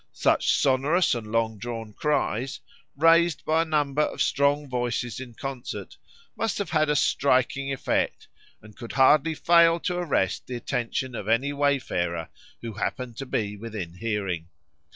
Such sonorous and long drawn cries, raised by a number of strong voices in concert, must have had a striking effect, and could hardly fail to arrest the attention of any wayfarer who happened to be within hearing.